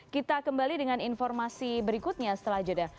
kita kembali dengan informasi berikutnya setelah jeda